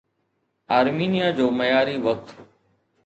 آرمينيا جو معياري وقت